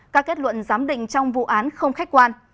các kết luận giám định trong vụ án không khách quan